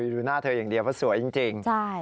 ดูหน้าเธออย่างเดียวเพราะสวยจริง